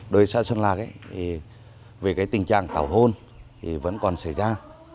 đôi xã xuân lạc về tình trạng tảo hôn vẫn còn xảy ra